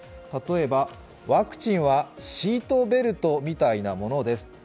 例えば、ワクチンはシートベルトみたいなものです。